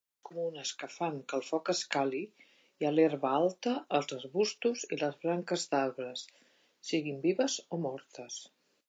Entre les coses comunes que fan que el foc escali hi ha l'herba alta, els arbusts i les branques d'arbres, siguin vives o mortes.